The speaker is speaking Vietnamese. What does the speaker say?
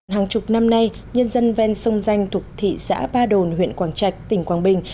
hàng chục năm nay nhân dân ven sông danh thuộc thị xã ba đồn huyện quảng trạch tỉnh quảng bình